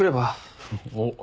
おっ。